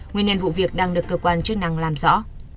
nguyên nhân vụ việc đang được cơ quan chức năng làm rõ